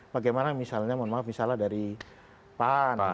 bagaimana misalnya mohon maaf misalnya dari pan